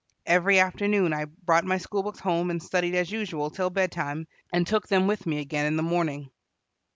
Every afternoon I brought my school books home and studied as usual till bed time, and took them with me again in the morning.